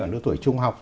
ở lưu tuổi trung học